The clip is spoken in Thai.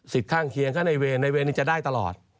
ข้างเคียงก็ในเวรในเวรนี้จะได้ตลอด